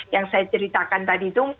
yang saya ceritakan tadi itu